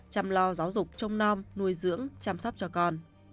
chăm lo giáo dục trông non nuôi dưỡng chăm sóc cho con